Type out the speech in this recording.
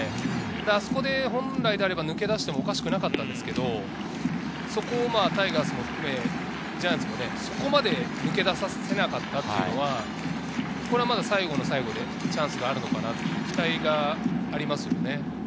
あそこで本来であれば抜け出してもおかしくなかったんですけれど、そこはタイガースも含め、ジャイアンツもそこまで抜け出させなかったというのは最後の最後でチャンスがあるのかなという期待があります。